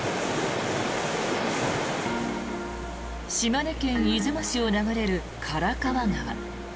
島根県出雲市を流れる唐川川。